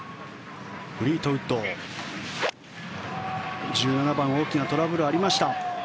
フリートウッド、１７番大きなトラブルがありました。